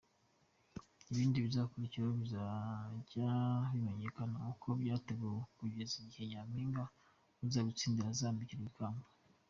Ibindi bizakurikiraho bikazajya bimenyekana uko byateguwe kugeza igihe Nyampinga uzabitsindira azambikirwa ikamba.